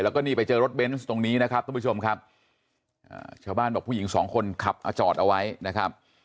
แล้วก็นี่ไปเจอรถเบนส์ตรงนี้นะครับทุกผู้ชมครับชาวบ้านบอกผู้หญิงสองคนขับมาจอดเอาไว้นะครับ